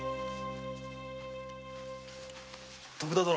徳田殿。